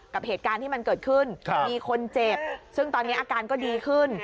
กับเหตุการณ์ที่มันเกิดขึ้นมีคนเจ็บซึ่งตอนนี้อาการก็ดีขึ้น